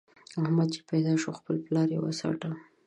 احمد چې پيدا شو؛ خپل پلار يې وڅاټه.